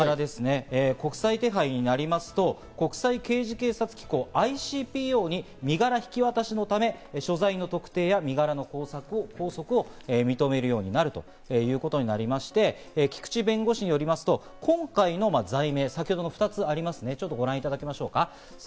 国際手配になりますと、国際刑事警察機構＝ＩＣＰＯに身柄引き渡しのため、所在の特定や身柄の拘束を求めるようになるということになりまして、菊地弁護士によりますと、今回の罪名、２つありますね。